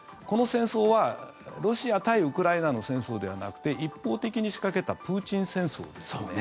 この戦争はロシア対ウクライナの戦争ではなくて一方的に仕掛けたプーチン戦争ですよ。